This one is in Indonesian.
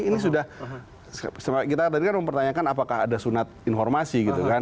ini sudah kita tadi kan mempertanyakan apakah ada sunat informasi gitu kan